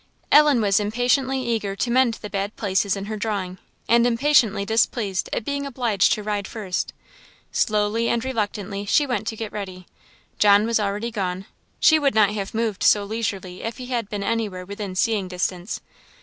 Ellen was impatiently eager to mend the bad places in her drawing, and impatiently displeased at being obliged to ride first. Slowly and reluctantly she went to get ready; John was already gone; she would not have moved so leisurely if he had been anywhere within seeing distance.